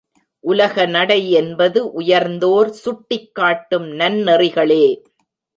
உலகநடை என்பது உயர்ந்தோர் சுட்டிக்காட்டும் நன்னெறிகளே.